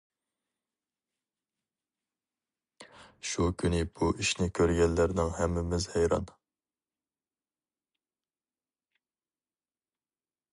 شۇ كۈنى بۇ ئىشنى كۆرگەنلەرنىڭ ھەممىمىز ھەيران.